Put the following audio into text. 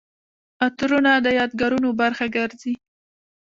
عطرونه د یادګارونو برخه ګرځي.